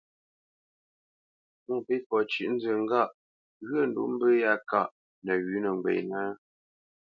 Mwôpéfɔ cʉ́ʼnzə ŋgâʼ ghyə̂ ndǔ mbə̂ yá káʼ nəwʉ̌ nə́ ghwenə́ ?